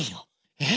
えっ？